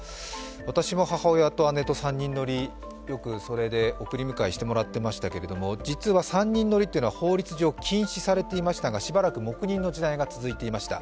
私も母親と姉と３人乗り、よくそれで送り迎えしてもらってましたけど実は３人乗りというのは法律上禁止されていましたがしばらく黙認の時期が続いていました。